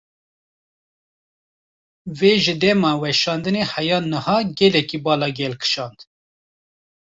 Vê ji dema weşandinê heya niha gelekî bala gel kîşand.